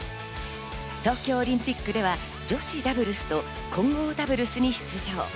東京オリンピックでは女子ダブルスと混合ダブルスに出場。